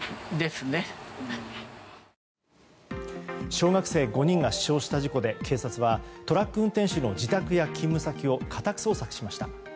小学生５人が死傷した事故で警察はトラック運転手の自宅や勤務先を家宅捜索しました。